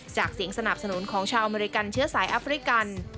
เสียงสนับสนุนของชาวอเมริกันเชื้อสายแอฟริกัน